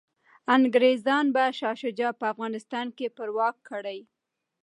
انګریزان به شاه شجاع په افغانستان کي پرواک کړي.